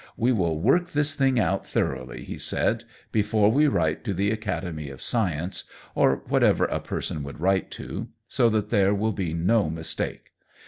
We will work this thing out thoroughly," he said, "before we write to the Academy of Science, or whatever a person would write to, so that there will be no mistake.